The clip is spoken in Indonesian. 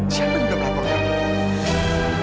siapa yang udah melaporkan